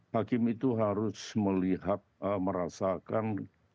hakim itu harus melihat merasakan